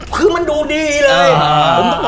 คือมันดูดีเลย